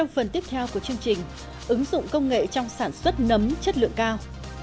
phần tiếp theo của chương trình ứng dụng công nghệ trong sản xuất nấm chất lượng cao